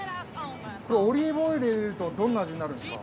オリーブオイル入れるとどんな味になるんですか？